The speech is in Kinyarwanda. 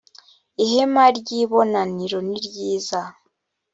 ihema ry ibonaniro niryiza